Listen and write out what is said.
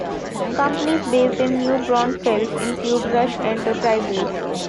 Companies based in New Braunfels include Rush Enterprises.